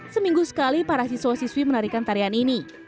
seminggu sekali para siswa siswi menarikan tarian ini